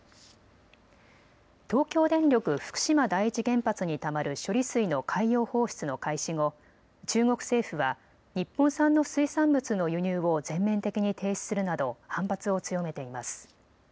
東京電力福島第一原発にたまる処理水の海洋放出の開始後、中国政府は日本産の水産物の輸入を全面的に停止するなど反発を強めています。